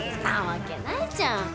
なわけないじゃん。